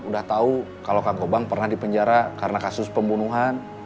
udah tahu kalau kang gobang pernah dipenjara karena kasus pembunuhan